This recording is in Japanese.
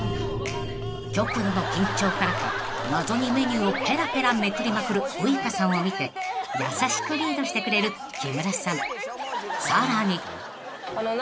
［極度の緊張からか謎にメニューをぺらぺらめくりまくるウイカさんを見て優しくリードしてくれる木村さん］